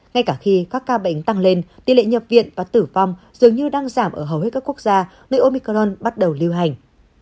ngay cả khi các ca bệnh tăng lên tỷ lệ nhập viện và tử vong dường như đang giảm ở hầu hết các quốc gia nơi omicron bắt đầu lưu hành